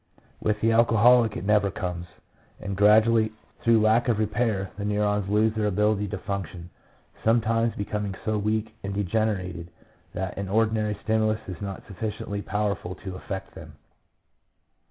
With the alcoholic it never comes fully; and gradually through the lack of 70 PSYCHOLOGY OF ALCOHOLISM. repair the neurons lose their ability to function, some times becoming so weak and degenerated, that an ordinary stimulus is not sufficiently powerful to affect them.